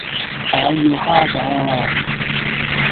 我要蝦餃呀